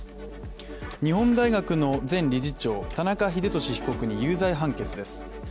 日本大学の前理事長・田中英寿被告に有罪判決です。